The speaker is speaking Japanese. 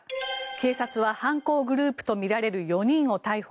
警察は犯行グループとみられる４人を逮捕。